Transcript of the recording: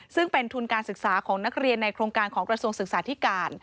ซึ่งเป็นทุนการศึกษาของนักเรียนในโครงการของกระทรวงศึกษาธิการ